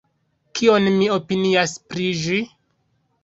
Kion mi opinias pri ĝi?